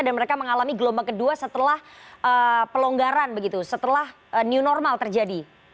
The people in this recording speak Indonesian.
dan mereka mengalami gelombang kedua setelah pelonggaran begitu setelah new normal terjadi